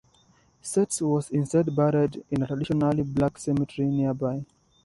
States was instead buried in a traditionally black cemetery nearby.